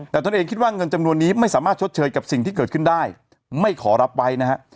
แต่ตนเองคิดว่าเงินจำนวนนี้ไม่สามารถชดเชยกับสิ่งที่เกิดขึ้นได้ไม่ขอรับไว้นะฮะ